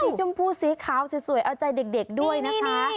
ชมพูสีขาวสวยเอาใจเด็กด้วยนะคะ